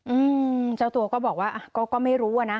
อืมเจ้าตัวก็บอกว่าก็ไม่รู้นะ